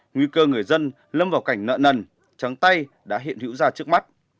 nguy cơ người dân lâm vào cảnh nợ nần trắng tay đã hiện hữu ra trước mắt